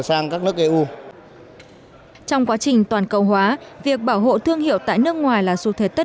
sang các nước eu trong quá trình toàn cầu hóa việc bảo hộ thương hiệu tại nước ngoài là xu thế tất